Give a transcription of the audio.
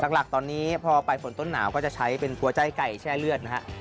หลักตอนนี้พอปลายฝนต้นหนาวก็จะใช้เป็นหัวใจไก่แช่เลือดนะฮะ